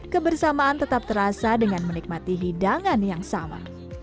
kebersamaan tetap terasa dengan menikmati hidangan yang sama